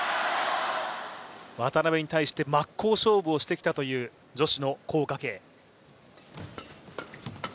渡辺に対して真っ向勝負をしてきたという女子の黄雅瓊。